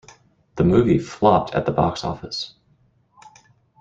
The movie flopped at the box office.